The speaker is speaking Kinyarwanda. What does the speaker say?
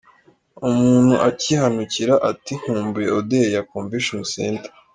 Umuntu akihanukira ati ‘Nkumbuye odeur ya Convention Center’.